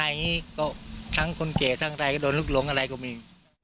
ข้างในก็ทั้งคนเก๋ทั้งใครก็โดนลุกหลงอะไรก็มี